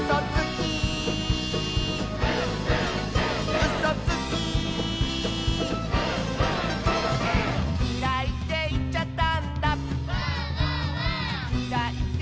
「きらいっていっちゃったんだ」